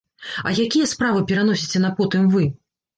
А якія справы пераносіце на потым вы?